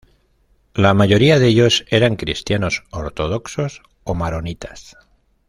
La mayoría de ellos eran cristianos ortodoxos o maronitas.